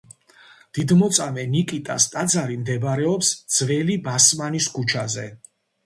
დიდმოწამე ნიკიტას ტაძარი მდებარეობს ძველი ბასმანის ქუჩაზე.